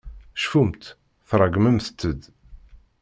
Cfumt, tṛeggmemt-d.